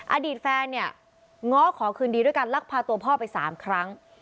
อดีตแฟนเนี่ยง้อขอคืนดีด้วยการลักพาตัวพ่อไป๓ครั้ง